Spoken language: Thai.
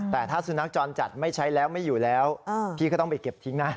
แต่ถ้าสุนัขจรจัดไม่ใช้แล้วไม่อยู่แล้วพี่ก็ต้องไปเก็บทิ้งนะ